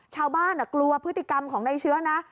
ชาวบ้านกลัวพฤติกรรมของนายเชื้อนะ